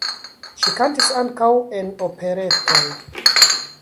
Ŝi kantis ankaŭ en operetoj.